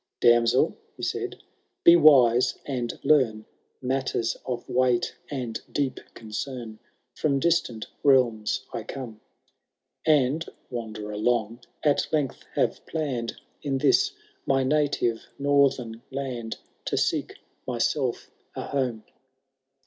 IX. *« Damsel, he said, ^ be wise, and leant Matters of weight and deep concern : From distant realms I come, And, wanderer long, at length have planned In this my native Northern land To seek myself a home.